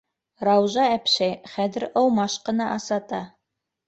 Раужа әпшәй хәҙер ыумаш ҡына асата.